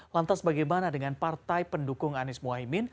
lantas bagaimana dengan partai pendukung anies mohaimin